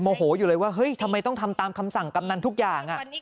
โหอยู่เลยว่าเฮ้ยทำไมต้องทำตามคำสั่งกำนันทุกอย่าง